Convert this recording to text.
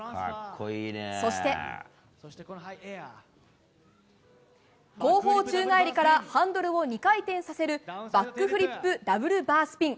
そして、後方宙返りからハンドルを２回転させるバックフリップ・ダブルバースピン。